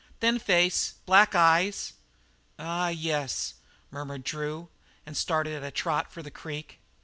"Thin face; black eyes." "Ah, yes," murmured Drew, and started at a trot for the creek.